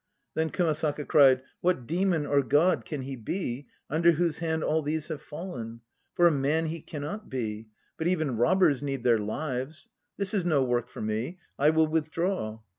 Then Kumasaka cried: "What demon or god can he be Under whose hand all these have fallen? For a man he cannot be! But even robbers need their lives! This is no work for me; I will withdraw."